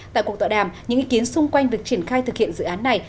tại cuộc tọa đàm những ý kiến xung quanh việc triển khai thực hiện dự án này